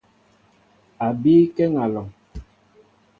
A bii kéŋ alɔŋ.